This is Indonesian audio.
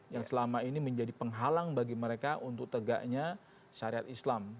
yang selama ini menjadi penghalang bagi mereka untuk tegaknya syariat islam